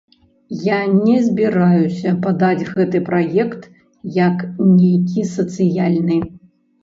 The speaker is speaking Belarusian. Я не збіраюся падаць гэты праект як нейкі сацыяльны.